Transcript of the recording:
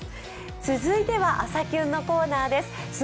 続いては「朝キュン」のコーナーです。